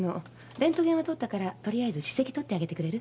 レントゲンは撮ったから取りあえず歯石取ってあげてくれる？